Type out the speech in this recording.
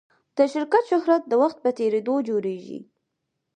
د شرکت شهرت د وخت په تېرېدو جوړېږي.